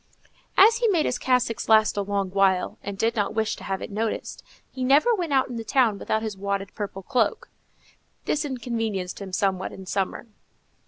As he made his cassocks last a long while, and did not wish to have it noticed, he never went out in the town without his wadded purple cloak. This inconvenienced him somewhat in summer.